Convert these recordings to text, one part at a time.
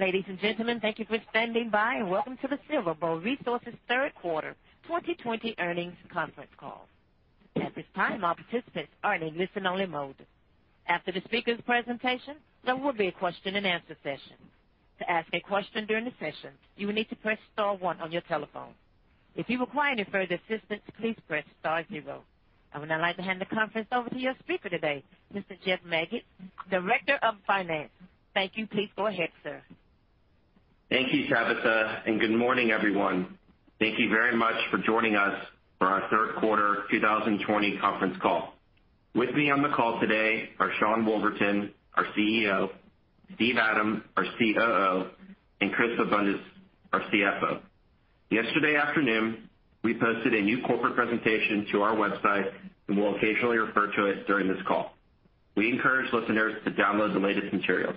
Ladies and gentlemen, thank you for standing by and welcome to the SilverBow Resources third quarter 2020 earnings conference call. At this time, all participants are in a listen-only mode. After the speaker's presentation, there will be a question-and-answer session. To ask a question during the session, you will need to press star one on your telephone. If you require any further assistance, please press star zero. I would now like to hand the conference over to your speaker today, Mr. Jeff Magids, Director of Finance. Thank you. Please go ahead, sir. Thank you, Tabitha. Good morning, everyone. Thank you very much for joining us for our third quarter 2020 conference call. With me on the call today are Sean Woolverton, our CEO, Steve Adam, our COO, and Chris Abundis, our CFO. Yesterday afternoon, we posted a new corporate presentation to our website and will occasionally refer to it during this call. We encourage listeners to download the latest materials.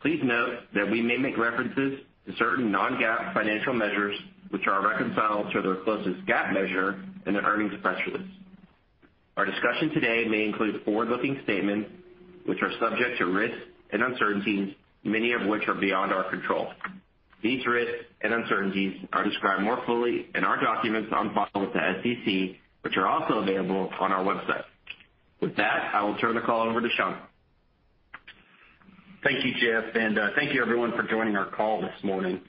Please note that we may make references to certain non-GAAP financial measures which are reconciled to their closest GAAP measure in the earnings press release. Our discussion today may include forward-looking statements which are subject to risks and uncertainties, many of which are beyond our control. These risks and uncertainties are described more fully in our documents on file with the SEC, which are also available on our website. With that, I will turn the call over to Sean. Thank you, Jeff, and thank you everyone for joining our call this morning.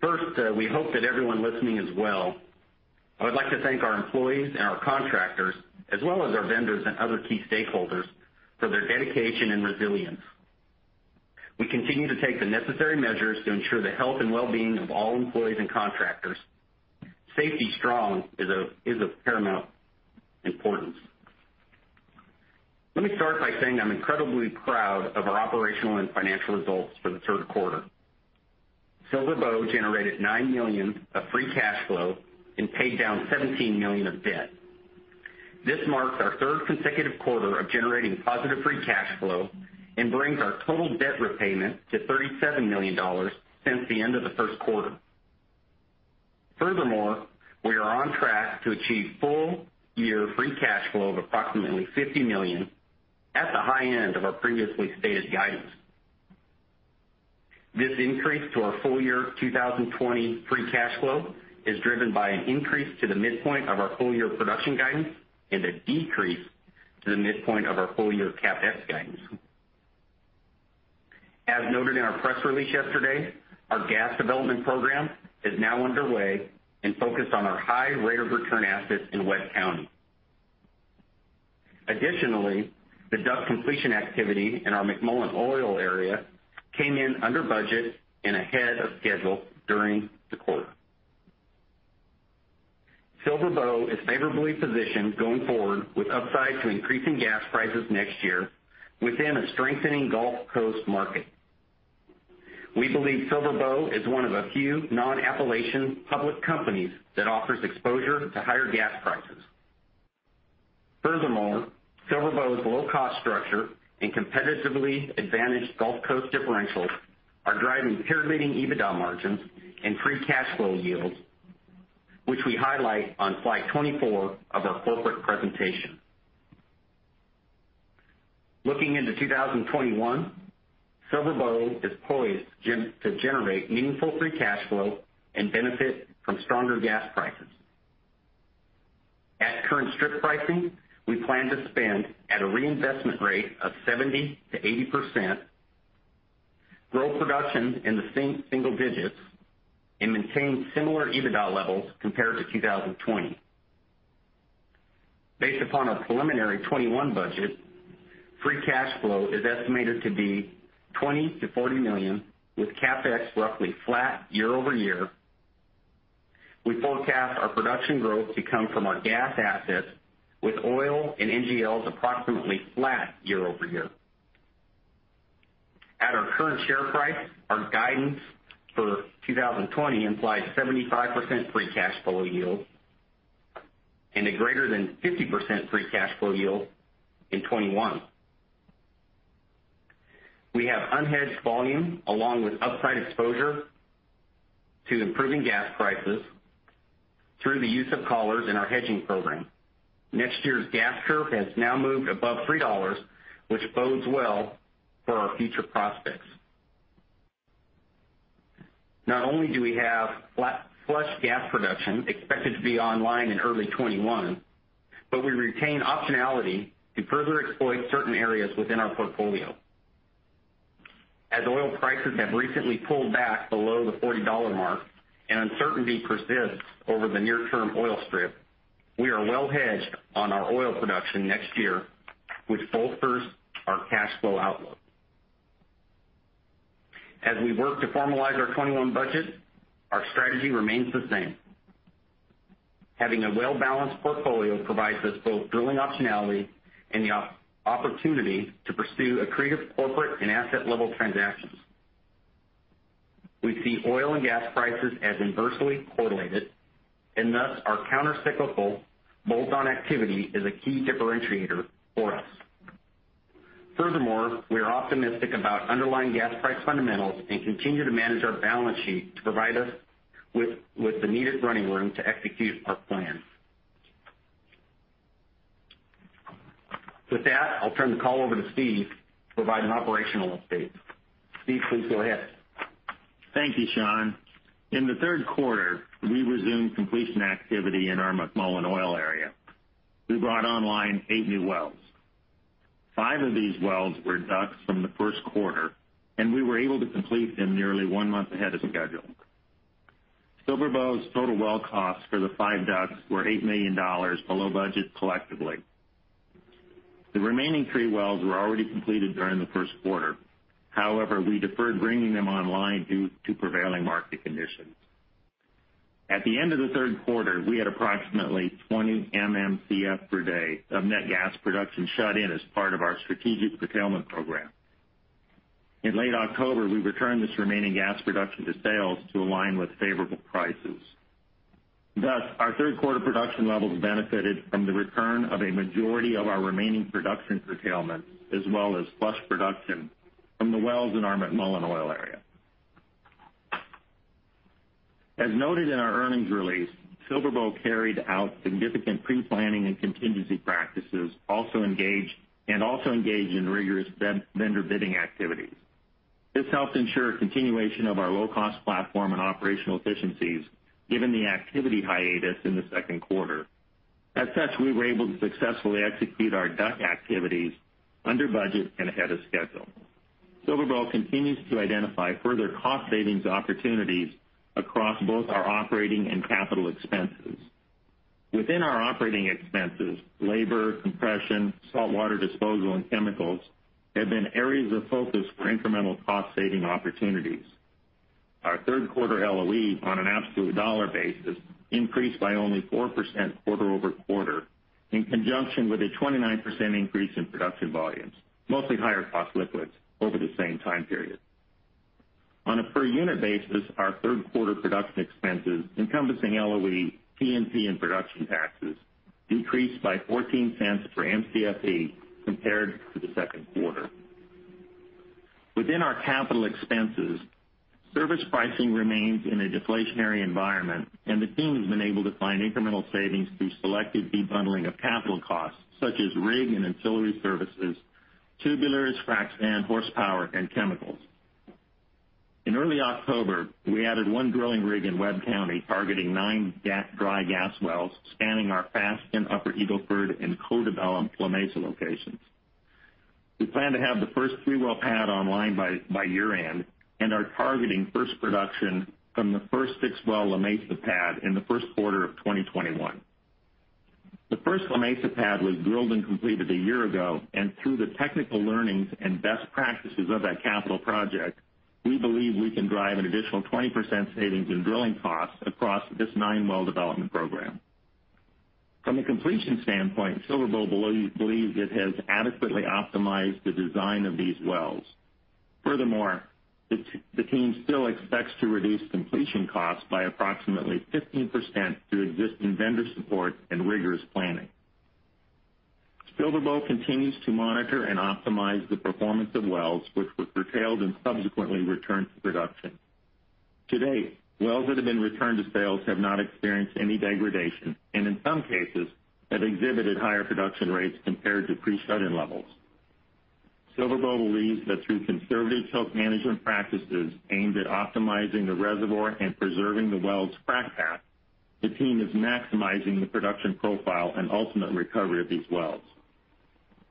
First, we hope that everyone listening is well. I would like to thank our employees and our contractors as well as our vendors and other key stakeholders for their dedication and resilience. We continue to take the necessary measures to ensure the health and wellbeing of all employees and contractors. Safety strong is of paramount importance. Let me start by saying I'm incredibly proud of our operational and financial results for the third quarter. SilverBow generated $9 million of free cash flow and paid down $17 million of debt. This marks our third consecutive quarter of generating positive free cash flow and brings our total debt repayment to $37 million since the end of the first quarter. Furthermore, we are on track to achieve full-year free cash flow of approximately $50 million at the high end of our previously stated guidance. This increase to our full-year 2020 free cash flow is driven by an increase to the midpoint of our full-year production guidance and a decrease to the midpoint of our full-year CapEx guidance. As noted in our press release yesterday, our gas development program is now underway and focused on our high rate of return assets in Webb County. Additionally, the DUC completion activity in our McMullen Oil Area came in under budget and ahead of schedule during the quarter. SilverBow is favorably positioned going forward with upside to increasing gas prices next year within a strengthening Gulf Coast market. We believe SilverBow is one of a few non-Appalachian public companies that offers exposure to higher gas prices. Furthermore, SilverBow's low-cost structure and competitively advantaged Gulf Coast differentials are driving peer-leading EBITDA margins and free cash flow yields, which we highlight on slide 24 of our corporate presentation. Looking into 2021, SilverBow is poised to generate meaningful free cash flow and benefit from stronger gas prices. At current strip pricing, we plan to spend at a reinvestment rate of 70%-80%, grow production in the single digits, and maintain similar EBITDA levels compared to 2020. Based upon our preliminary 2021 budget, free cash flow is estimated to be $20 million-$40 million with CapEx roughly flat year-over-year. We forecast our production growth to come from our gas assets with oil and NGLs approximately flat year-over-year. At our current share price, our guidance for 2020 implies 75% free cash flow yield and a greater than 50% free cash flow yield in 2021. We have unhedged volume along with upside exposure to improving gas prices through the use of collars in our hedging program. Next year's gas curve has now moved above $3, which bodes well for our future prospects. Not only do we have flush gas production expected to be online in early 2021, but we retain optionality to further exploit certain areas within our portfolio. As oil prices have recently pulled back below the $40 mark and uncertainty persists over the near-term oil strip, we are well hedged on our oil production next year, which bolsters our cash flow outlook. As we work to formalize our 2021 budget, our strategy remains the same. Having a well-balanced portfolio provides us both drilling optionality and the opportunity to pursue accretive corporate and asset-level transactions. We see oil and gas prices as inversely correlated, and thus our countercyclical bolt-on activity is a key differentiator for us. Furthermore, we are optimistic about underlying gas price fundamentals and continue to manage our balance sheet to provide us with the needed running room to execute our plan. With that, I'll turn the call over to Steve to provide an operational update. Steve, please go ahead. Thank you, Sean. In the third quarter, we resumed completion activity in our McMullen Oil Area. We brought online eight new wells. Five of these wells were DUCs from the first quarter, and we were able to complete them nearly one month ahead of schedule. SilverBow's total well costs for the five DUCs were $8 million below budget collectively. The remaining three wells were already completed during the first quarter. We deferred bringing them online due to prevailing market conditions. At the end of the third quarter, we had approximately 20 MMcf per day of net gas production shut in as part of our strategic curtailment program. In late October, we returned this remaining gas production to sales to align with favorable prices. Thus, our third quarter production levels benefited from the return of a majority of our remaining production curtailment, as well as flush production from the wells in our McMullen Oil Area. As noted in our earnings release, SilverBow carried out significant pre-planning and contingency practices, and also engaged in rigorous vendor bidding activities. This helped ensure continuation of our low-cost platform and operational efficiencies given the activity hiatus in the second quarter. As such, we were able to successfully execute our DUC activities under budget and ahead of schedule. SilverBow continues to identify further cost savings opportunities across both our operating and capital expenses. Within our operating expenses, labor, compression, saltwater disposal, and chemicals have been areas of focus for incremental cost-saving opportunities. Our third quarter LOE, on an absolute dollar basis, increased by only 4% quarter-over-quarter in conjunction with a 29% increase in production volumes, mostly higher cost liquids, over the same time period. On a per unit basis, our third quarter production expenses encompassing LOE, T&P, and production taxes decreased by $0.14 per Mcfe compared to the second quarter. Within our capital expenses, service pricing remains in a deflationary environment, and the team has been able to find incremental savings through selective debundling of capital costs such as rig and ancillary services, tubulars, frac sand, horsepower, and chemicals. In early October, we added one drilling rig in Webb County targeting nine dry gas wells, spanning our Fasken and Upper Eagle Ford and co-developed La Mesa locations. We plan to have the first three-well pad online by year-end and are targeting first production from the first six-well La Mesa pad in the first quarter of 2021. The first La Mesa pad was drilled and completed a year ago, and through the technical learnings and best practices of that capital project, we believe we can drive an additional 20% savings in drilling costs across this nine-well development program. From a completion standpoint, SilverBow believes it has adequately optimized the design of these wells. Furthermore, the team still expects to reduce completion costs by approximately 15% through existing vendor support and rigorous planning. SilverBow continues to monitor and optimize the performance of wells which were curtailed and subsequently returned to production. To date, wells that have been returned to sales have not experienced any degradation, and in some cases, have exhibited higher production rates compared to pre-shut-in levels. SilverBow believes that through conservative choke management practices aimed at optimizing the reservoir and preserving the well's frac path, the team is maximizing the production profile and ultimate recovery of these wells.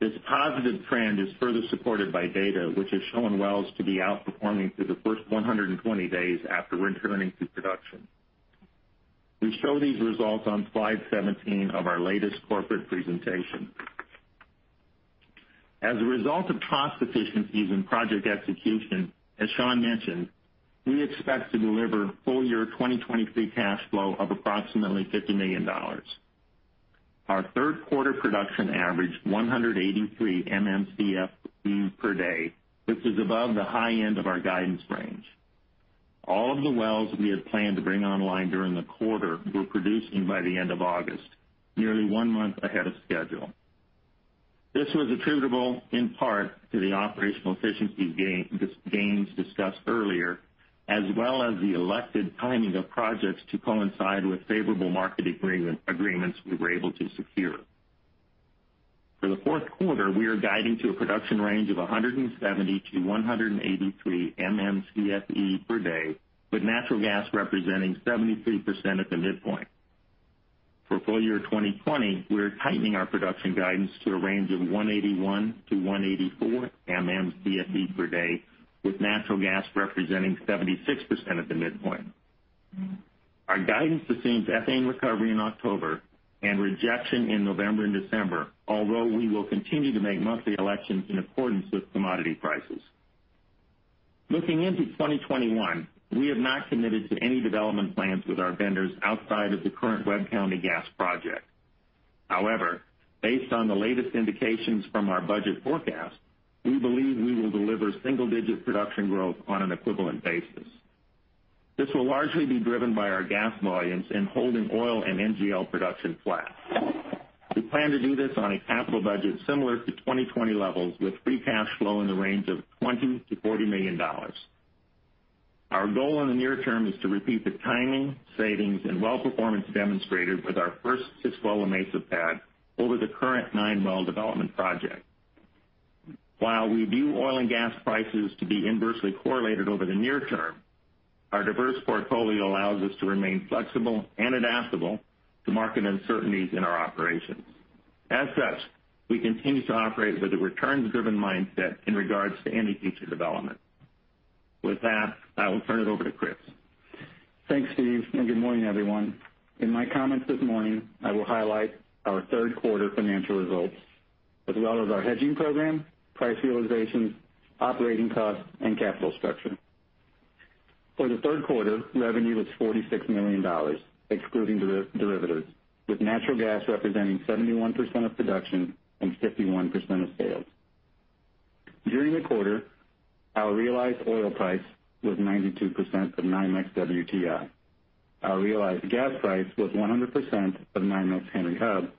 This positive trend is further supported by data, which has shown wells to be outperforming through the first 120 days after returning to production. We show these results on slide 17 of our latest corporate presentation. As a result of cost efficiencies in project execution, as Sean mentioned, we expect to deliver full-year 2023 cash flow of approximately $50 million. Our third quarter production averaged 183 MMcfe per day, which is above the high end of our guidance range. All of the wells we had planned to bring online during the quarter were producing by the end of August, nearly one month ahead of schedule. This was attributable in part to the operational efficiency gains discussed earlier, as well as the elected timing of projects to coincide with favorable market agreements we were able to secure. For the fourth quarter, we are guiding to a production range of 170-183 MMcfe per day, with natural gas representing 73% at the midpoint. For full-year 2020, we're tightening our production guidance to a range of 181-184 MMcfe per day, with natural gas representing 76% at the midpoint. Our guidance assumes ethane recovery in October and rejection in November and December, although we will continue to make monthly elections in accordance with commodity prices. Looking into 2021, we have not committed to any development plans with our vendors outside of the current Webb County gas project. However, based on the latest indications from our budget forecast, we believe we will deliver single-digit production growth on an equivalent basis. This will largely be driven by our gas volumes and holding oil and NGL production flat. We plan to do this on a capital budget similar to 2020 levels, with free cash flow in the range of $20 million-$40 million. Our goal in the near term is to repeat the timing, savings, and well performance demonstrated with our first six-well Mesa pad over the current nine-well development project. While we view oil and gas prices to be inversely correlated over the near term, our diverse portfolio allows us to remain flexible and adaptable to market uncertainties in our operations. As such, we continue to operate with a returns-driven mindset in regards to any future development. With that, I will turn it over to Chris. Thanks, Steve. Good morning, everyone. In my comments this morning, I will highlight our third quarter financial results, as well as our hedging program, price realizations, operating costs, and capital structure. For the third quarter, revenue was $46 million, excluding derivatives, with natural gas representing 71% of production and 51% of sales. During the quarter, our realized oil price was 92% of NYMEX WTI. Our realized gas price was 100% of NYMEX Henry Hub.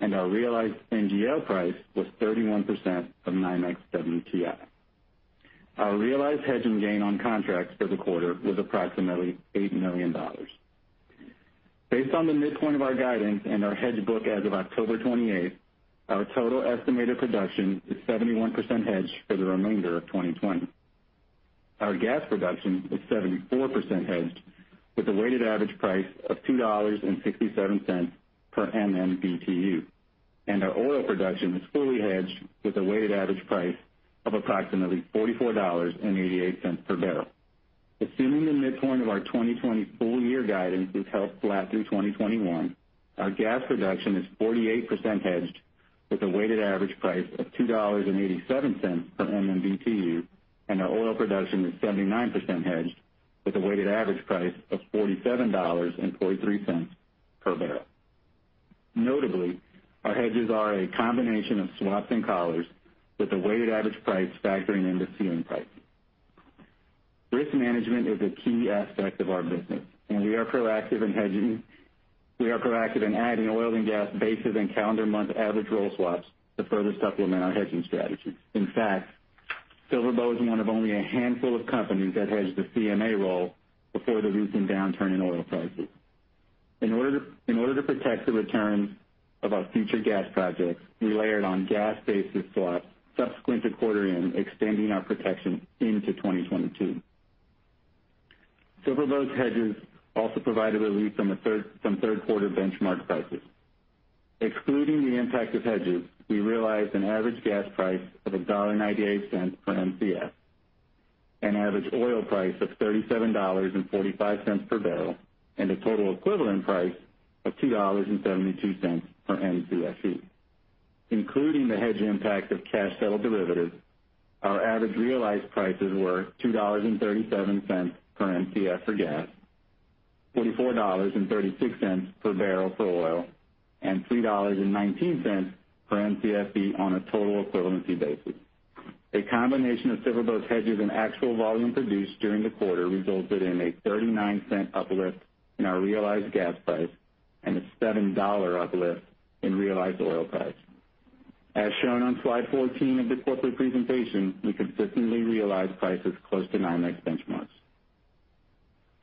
Our realized NGL price was 31% of NYMEX WTI. Our realized hedging gain on contracts for the quarter was approximately $8 million. Based on the midpoint of our guidance and our hedge book as of October 28th, our total estimated production is 71% hedged for the remainder of 2020. Our gas production is 74% hedged with a weighted average price of $2.67 per MMBtu. Our oil production is fully hedged with a weighted average price of approximately $44.88 per barrel. Assuming the midpoint of our 2020 full-year guidance is held flat through 2021, our gas production is 48% hedged with a weighted average price of $2.87 per MMBtu. Our oil production is 79% hedged with a weighted average price of $47.43 per barrel. Notably, our hedges are a combination of swaps and collars with a weighted average price factoring in the ceiling price. Risk management is a key aspect of our business, and we are proactive in adding oil and gas basis and Calendar Month Average roll swaps to further supplement our hedging strategy. In fact, SilverBow is one of only a handful of companies that hedged a CMA roll before the recent downturn in oil prices. In order to protect the returns of our future gas projects, we layered on gas basis swaps subsequent to quarter end, extending our protection into 2022. SilverBow's hedges also provided relief on some third-quarter benchmark prices. Excluding the impact of hedges, we realized an average gas price of $1.98 per Mcf, an average oil price of $37.45 per barrel, and a total equivalent price of $2.72 per Mcfe. Including the hedge impact of cash settle derivatives, our average realized prices were $2.37 per Mcf for gas, $44.36 per barrel for oil, and $3.19 per Mcfe on a total equivalency basis. A combination of SilverBow's hedges and actual volume produced during the quarter resulted in a $0.39 uplift in our realized gas price, and a $7 uplift in realized oil price. As shown on slide 14 of the quarterly presentation, we consistently realize prices close to NYMEX benchmarks.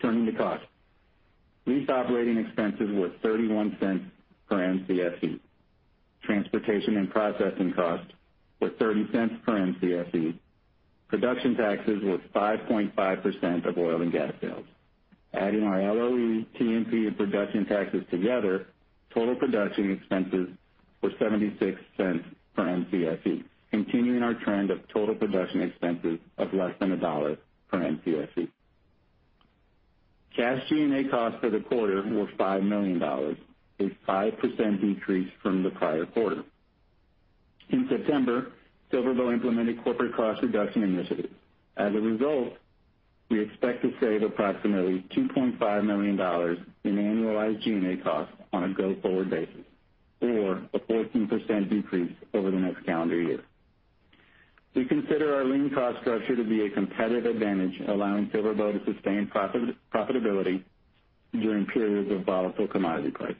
Turning to costs. Lease operating expenses were $0.31 per Mcfe. Transportation and processing costs were $0.30 per Mcfe. Production taxes were 5.5% of oil and gas sales. Adding our LOE, T&P, and production taxes together, total production expenses were $0.76 per Mcfe, continuing our trend of total production expenses of less than $1 per Mcfe. Cash G&A costs for the quarter were $5 million, a 5% decrease from the prior quarter. In September, SilverBow implemented corporate cost reduction initiatives. As a result, we expect to save approximately $2.5 million in annualized G&A costs on a go-forward basis or a 14% decrease over the next calendar year. We consider our lean cost structure to be a competitive advantage, allowing SilverBow to sustain profitability during periods of volatile commodity prices.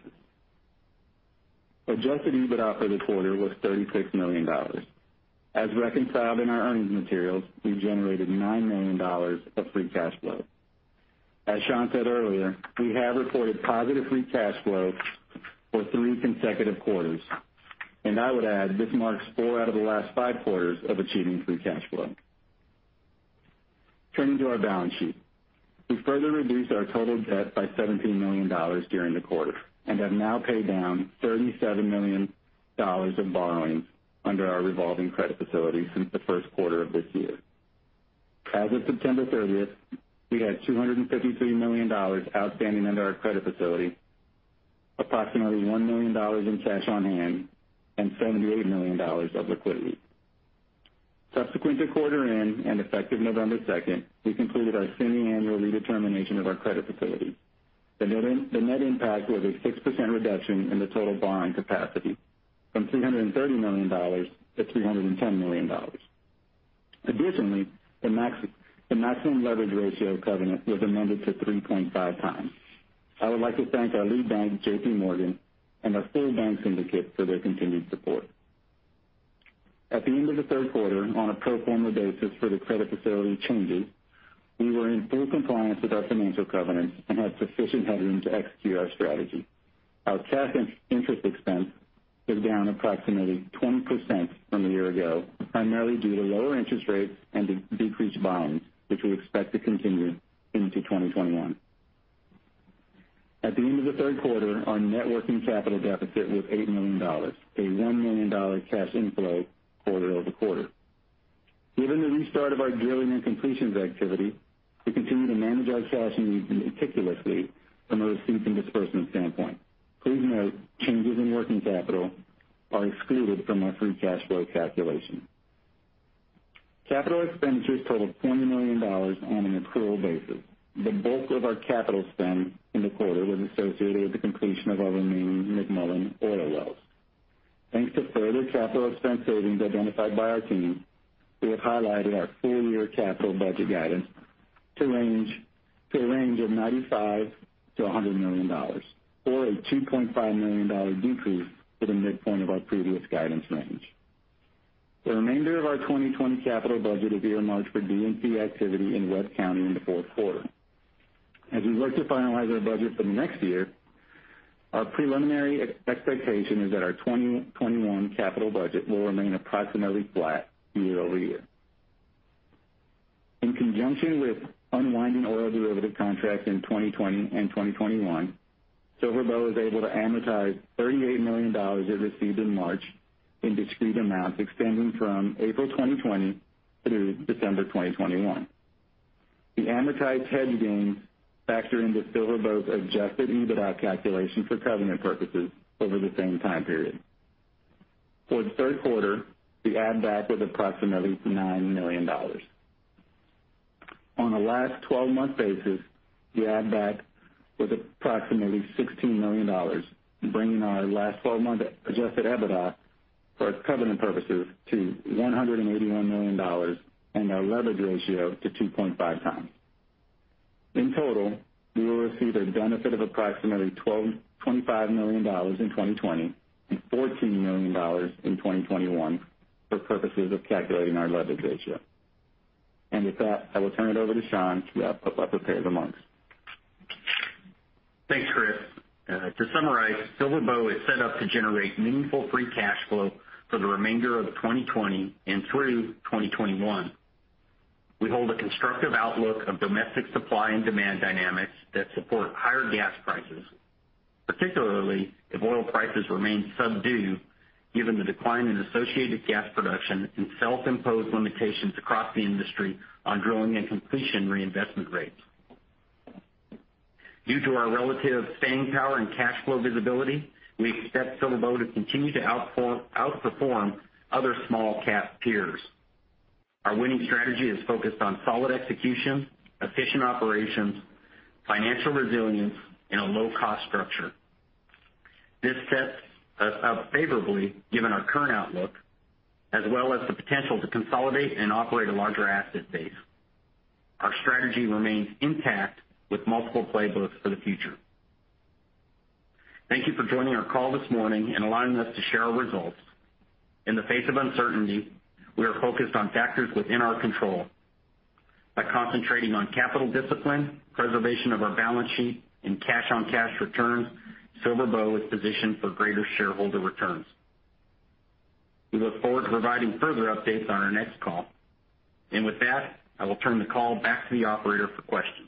Adjusted EBITDA for this quarter was $36 million. As reconciled in our earnings materials, we generated $9 million of free cash flow. As Sean said earlier, we have reported positive free cash flow for three consecutive quarters, and I would add this marks four out of the last five quarters of achieving free cash flow. Turning to our balance sheet. We further reduced our total debt by $17 million during the quarter, and have now paid down $37 million of borrowings under our revolving credit facility since the first quarter of this year. As of September 30th, we had $253 million outstanding under our credit facility, approximately $1 million in cash on hand, and $78 million of liquidity. Subsequent to quarter end and effective November 2nd, we concluded our semiannual redetermination of our credit facility. The net impact was a 6% reduction in the total borrowing capacity from $330 million to $310 million. Additionally, the maximum leverage ratio covenant was amended to 3.5x. I would like to thank our lead bank, JPMorgan, and our full bank syndicate for their continued support. At the end of the third quarter, on a pro forma basis for the credit facility changes, we were in full compliance with our financial covenants and had sufficient headroom to execute our strategy. Our cash interest expense is down approximately 20% from a year ago, primarily due to lower interest rates and decreased volumes, which we expect to continue into 2021. At the end of the third quarter, our net working capital deficit was $8 million, a $1 million cash inflow quarter-over-quarter. Given the restart of our drilling and completions activity, we continue to manage our cash needs meticulously from a receipt and disbursement standpoint. Please note, changes in working capital are excluded from our free cash flow calculation. Capital expenditures totaled $20 million on an accrual basis. The bulk of our capital spend in the quarter was associated with the completion of our remaining McMullen oil wells. Thanks to further capital expense savings identified by our team, we have highlighted our full-year capital budget guidance to a range of $95 million-$100 million, or a $2.5 million decrease to the midpoint of our previous guidance range. The remainder of our 2020 capital budget will be earmarked for D&C activity in Webb County in the fourth quarter. As we look to finalize our budget for next year, our preliminary expectation is that our 2021 capital budget will remain approximately flat year-over-year. In conjunction with unwinding oil derivative contracts in 2020 and 2021, SilverBow was able to amortize $38 million it received in March in discrete amounts extending from April 2020 through December 2021. The amortized hedge gains factor into SilverBow's adjusted EBITDA calculation for covenant purposes over the same time period. For the third quarter, the add back was approximately $9 million. On a last 12-month basis, the add back was approximately $16 million, bringing our last 12-month adjusted EBITDA for covenant purposes to $181 million, and our leverage ratio to 2.5x. In total, we will receive a benefit of approximately $25 million in 2020 and $14 million in 2021 for purposes of calculating our leverage ratio. With that, I will turn it over to Sean to wrap up our prepared remarks. Thanks, Chris. To summarize, SilverBow is set up to generate meaningful free cash flow for the remainder of 2020 and through 2021. We hold a constructive outlook of domestic supply and demand dynamics that support higher gas prices, particularly if oil prices remain subdued given the decline in associated gas production and self-imposed limitations across the industry on drilling and completion reinvestment rates. Due to our relative staying power and cash flow visibility, we expect SilverBow to continue to outperform other small cap peers. Our winning strategy is focused on solid execution, efficient operations, financial resilience, and a low-cost structure. This sets us up favorably given our current outlook, as well as the potential to consolidate and operate a larger asset base. Our strategy remains intact with multiple playbooks for the future. Thank you for joining our call this morning and allowing us to share our results. In the face of uncertainty, we are focused on factors within our control. By concentrating on capital discipline, preservation of our balance sheet, and cash-on-cash returns, SilverBow is positioned for greater shareholder returns. We look forward to providing further updates on our next call. With that, I will turn the call back to the operator for questions.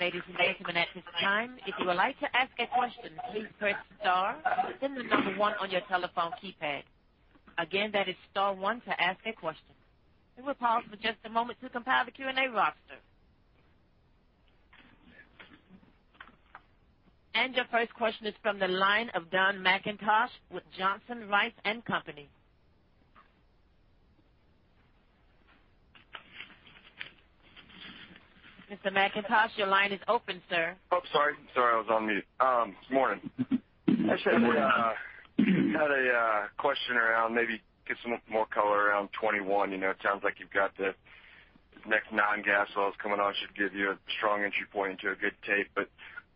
Ladies and gentlemen, at this time, if you would like to ask a question, please press star, then the number one on your telephone keypad. Again, that is star one to ask a question. We will pause for just a moment to compile the Q&A roster. Your first question is from the line of Dun McIntosh with Johnson Rice & Company. Mr. McIntosh, your line is open, sir. Oh, sorry. I was on mute. Good morning. Good morning. I actually had a question around maybe get some more color around 2021. It sounds like you've got the next non-gas wells coming on should give you a strong entry point into a good tape.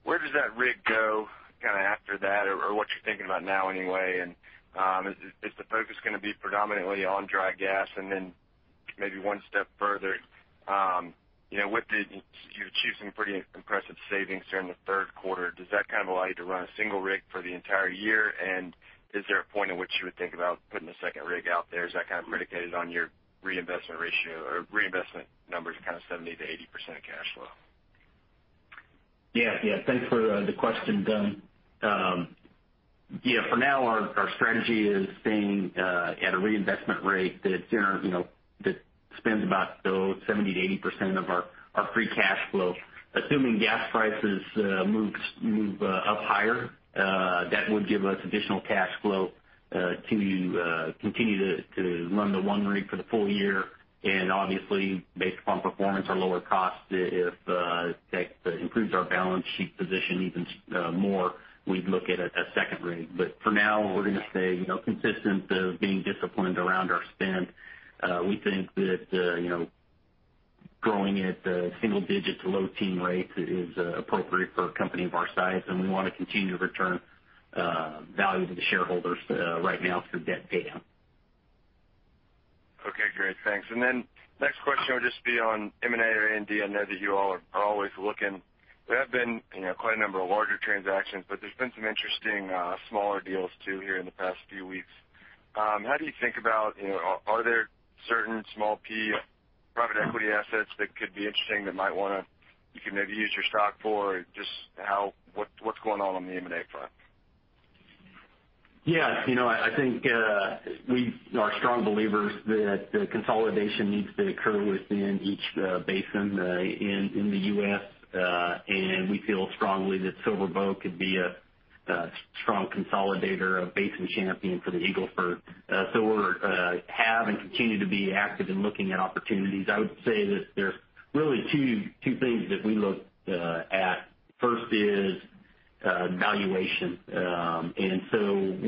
Where does that rig go after that or what you're thinking about now anyway? Is the focus going to be predominantly on dry gas? Then maybe one step further, you're achieving pretty impressive savings during the third quarter. Does that allow you to run a single rig for the entire year? Is there a point in which you would think about putting a second rig out there? Is that predicated on your reinvestment ratio or reinvestment numbers, kind of 70%-80% cash flow? Thanks for the question, Dun. For now, our strategy is staying at a reinvestment rate that spends about 70%-80% of our free cash flow. Assuming gas prices move up higher, that would give us additional cash flow to continue to run the one rig for the full year. Obviously, based upon performance or lower cost, if that improves our balance sheet position even more, we'd look at a second rig. For now, we're going to stay consistent of being disciplined around our spend. We think that growing at single digit to low teen rates is appropriate for a company of our size, and we want to continue to return value to the shareholders right now through debt paydown. Okay, great. Thanks. Next question will just be on M&A. I know that you all are always looking. There have been quite a number of larger transactions, but there's been some interesting, smaller deals too here in the past few weeks. How do you think about, are there certain small PE assets that could be interesting that you can maybe use your stock for? Just what's going on on the M&A front? Yes, I think we are strong believers that consolidation needs to occur within each basin in the U.S. We feel strongly that SilverBow could be a strong consolidator, a basin champion for the Eagle Ford. We have and continue to be active in looking at opportunities. I would say that there's really two things that we look at. First is valuation.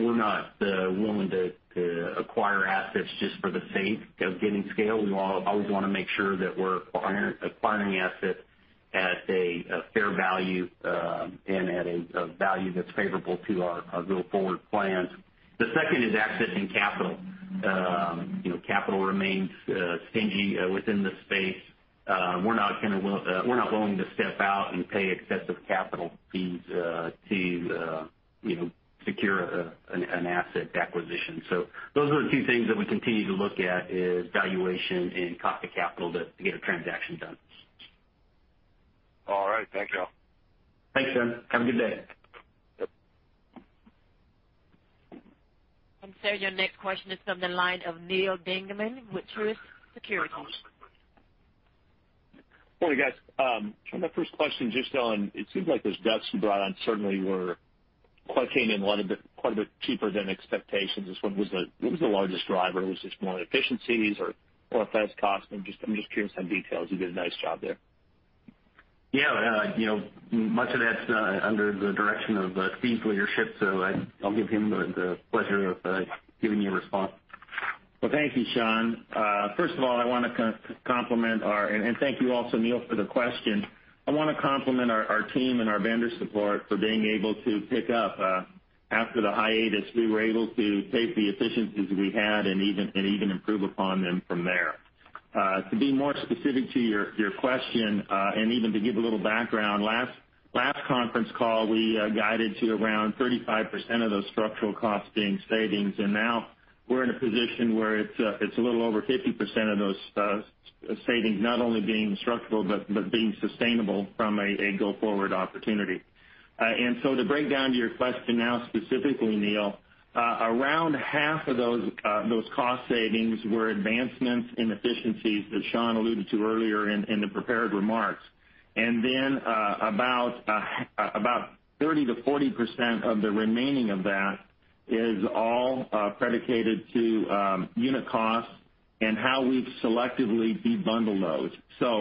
We're not willing to acquire assets just for the sake of getting scale. We always want to make sure that we're acquiring assets at a fair value, and at a value that's favorable to our go-forward plans. The second is accessing capital. Capital remains stingy within the space. We're not willing to step out and pay excessive capital fees to secure an asset acquisition. Those are the two things that we continue to look at, is valuation and cost of capital to get a transaction done. All right. Thank you. Thanks, Dun. Have a good day. Yep. Sir, your next question is from the line of Neal Dingmann, with Truist Securities. Morning, guys. Sean, my first question, it seems like those DUCs you brought on certainly came in quite a bit cheaper than expectations. What was the largest driver? Was this more efficiencies or less cost? I'm just curious on details. You did a nice job there. Yeah. Much of that's under the direction of Steve's leadership, so I'll give him the pleasure of giving you a response. Well, thank you, Sean. First of all, Thank you also, Neal, for the question. I want to compliment our team and our vendor support for being able to pick up. After the hiatus, we were able to take the efficiencies we had and even improve upon them from there. To be more specific to your question, and even to give a little background, last conference call, we guided to around 35% of those structural costs being savings, and now we're in a position where it's a little over 50% of those savings, not only being structural, but being sustainable from a go-forward opportunity. To break down to your question now specifically, Neal, around half of those cost savings were advancements in efficiencies that Sean alluded to earlier in the prepared remarks. Then about 30%-40% of the remaining of that is all predicated to unit costs and how we've selectively de-bundled those.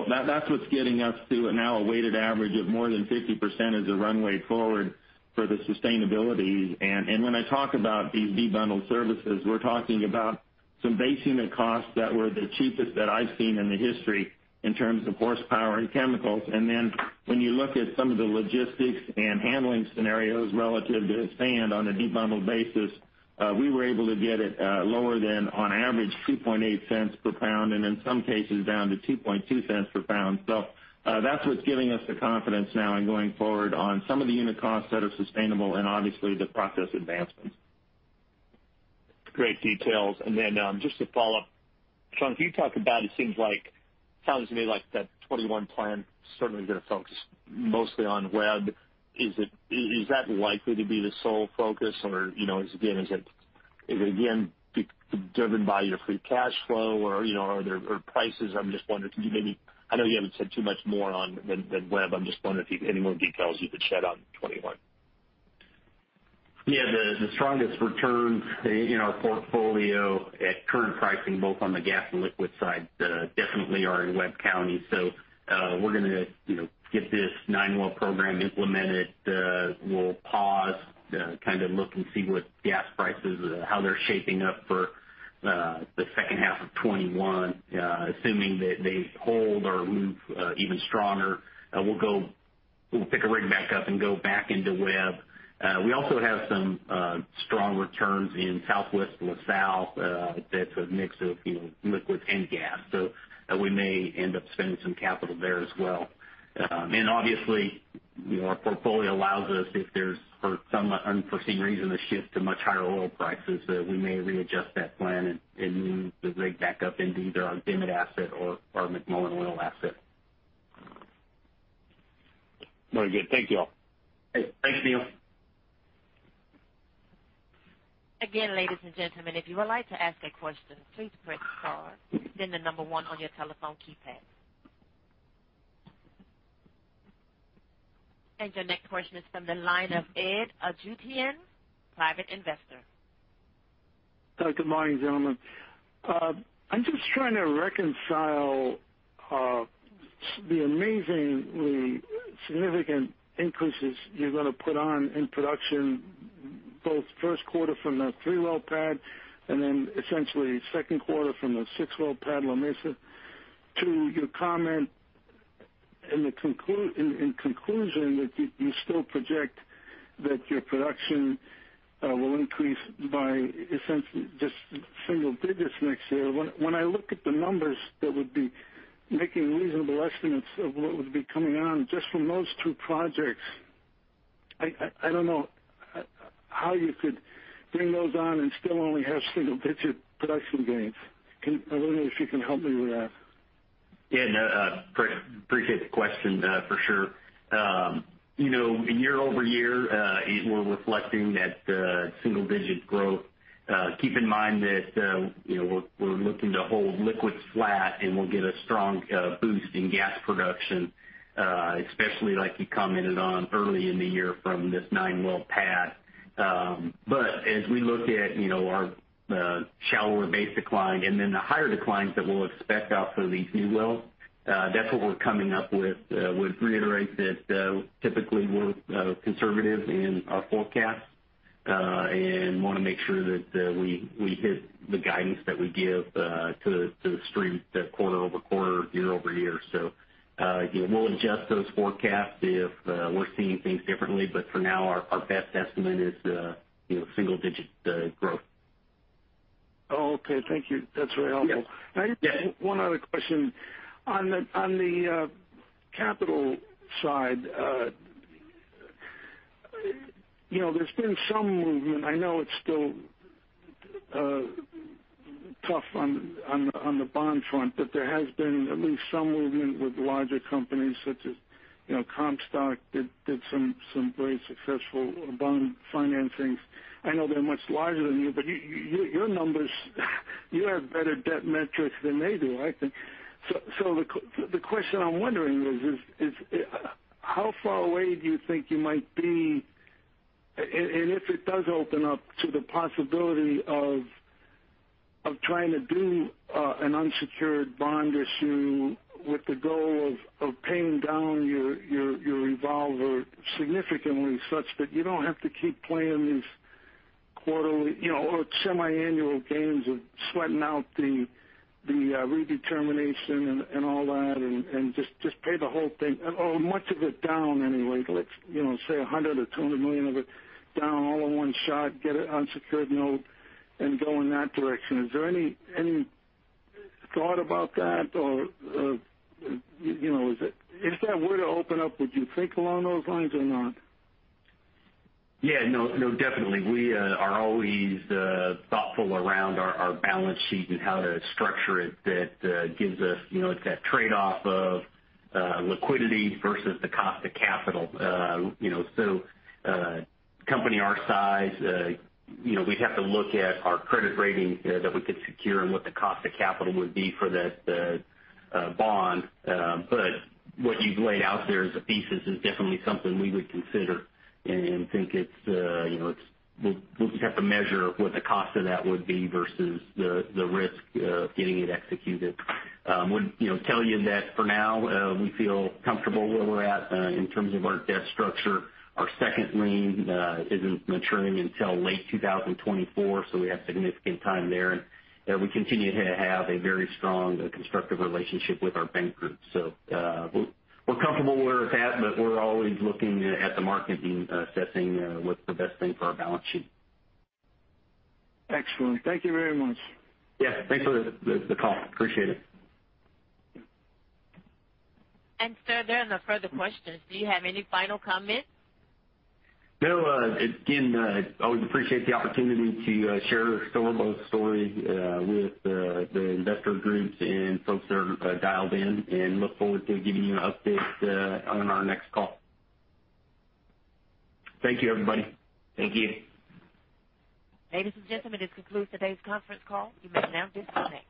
That's what's getting us to now a weighted average of more than 50% as a runway forward for the sustainability. When I talk about these de-bundled services, we're talking about some base unit costs that were the cheapest that I've seen in the history in terms of horsepower and chemicals. Then when you look at some of the logistics and handling scenarios relative to sand on a de-bundled basis, we were able to get it lower than on average $0.028 per pound, and in some cases, down to $0.022 per pound. That's what's giving us the confidence now in going forward on some of the unit costs that are sustainable and obviously the process advancements. Great details. Then just to follow up, Sean, as you talk about, it sounds to me like that 2021 plan certainly is going to focus mostly on Webb. Is that likely to be the sole focus, or is it again driven by your free cash flow or prices? I'm just wondering, I know you haven't said too much more on than Webb. I'm just wondering if any more details you could shed on 2021. Yeah. The strongest returns in our portfolio at current pricing, both on the gas and liquid side, definitely are in Webb County. We're going to get this nine-well program implemented. We'll pause, look and see what gas prices, how they're shaping up for the second half of 2021. Assuming that they hold or move even stronger, we'll pick a rig back up and go back into Webb. We also have some strong returns in Southwest La Salle. That's a mix of liquids and gas. We may end up spending some capital there as well. Obviously, our portfolio allows us, if there's, for some unforeseen reason, a shift to much higher oil prices, we may readjust that plan and move the rig back up into either our Dimmit asset or McMullen Oil asset. Very good. Thank you all. Hey, thanks, Neal. Again, ladies and gentlemen, if you would like to ask a question, please press star then the number one on your telephone keypad. Your next question is from the line of Ed Jutian, private investor. Good morning, gentlemen. I'm just trying to reconcile the amazingly significant increases you're going to put on in production, both first quarter from the three-well pad, and then essentially second quarter from the six-well pad, La Mesa. To your comment in conclusion, that you still project that your production will increase by essentially just single digits next year. When I look at the numbers that would be making reasonable estimates of what would be coming on just from those two projects, I don't know how you could bring those on and still only have single-digit production gains. I wonder if you can help me with that. Yeah, no. Appreciate the question, for sure. Year-over-year, we're reflecting that single-digit growth. Keep in mind that we're looking to hold liquids flat, and we'll get a strong boost in gas production, especially like you commented on early in the year from this nine-well pad. As we look at our shallower base decline and then the higher declines that we'll expect out of these new wells, that's what we're coming up with. Would reiterate that typically, we're conservative in our forecasts, and want to make sure that we hit the guidance that we give to The Street quarter-over-quarter, year-over-year. We'll adjust those forecasts if we're seeing things differently. For now, our best estimate is single-digit growth. Oh, okay. Thank you. That's very helpful. Yeah. One other question. On the capital side, there's been some movement. I know it's still tough on the bond front. There has been at least some movement with larger companies such as Comstock did some very successful bond financings. I know they're much larger than you, your numbers you have better debt metrics than they do, I think. The question I'm wondering is, how far away do you think you might be, and if it does open up, to the possibility of trying to do an unsecured bond issue with the goal of paying down your revolver significantly, such that you don't have to keep playing these quarterly or semiannual games of sweating out the redetermination and all that, and just pay the whole thing, or much of it down anyway. Let's say $100 million or $200 million of it down all in one shot, get an unsecured note and go in that direction. Is there any thought about that? If that were to open up, would you think along those lines or not? Yeah. No. Definitely. We are always thoughtful around our balance sheet and how to structure it. That gives us that trade-off of liquidity versus the cost of capital. A company our size, we'd have to look at our credit rating that we could secure and what the cost of capital would be for that bond. What you've laid out there as a thesis is definitely something we would consider and think we'll just have to measure what the cost of that would be versus the risk of getting it executed. Would tell you that for now, we feel comfortable where we're at in terms of our debt structure. Our second lien isn't maturing until late 2024, so we have significant time there. We continue to have a very strong, constructive relationship with our bank group. We're comfortable where it's at, but we're always looking at the market and assessing what's the best thing for our balance sheet. Excellent. Thank you very much. Yeah. Thanks for the call. Appreciate it. Sir, there are no further questions. Do you have any final comments? No. Again, always appreciate the opportunity to share SilverBow's story with the investor groups and folks that are dialed in, and look forward to giving you an update on our next call. Thank you, everybody. Thank you. Ladies and gentlemen, this concludes today's conference call. You may now disconnect.